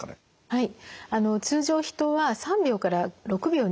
はい。